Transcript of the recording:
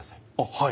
はい。